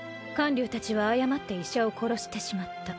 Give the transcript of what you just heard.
柳たちは誤って医者を殺してしまった。